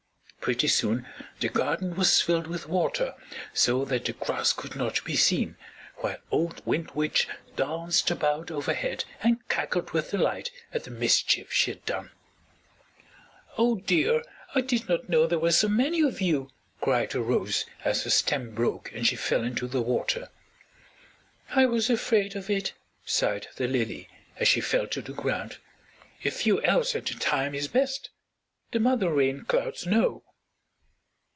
Pretty soon the garden was filled with water so that the grass could not be seen, while old Wind Witch danced about overhead and cackled with delight at the mischief she had done. "Oh dear! I did not know there were so many of you!" cried a rose as her stem broke and she fell into the water. "I was afraid of it," sighed the lily as she fell to the ground. "A few Elves at a time is best. The mother Rain Clouds know."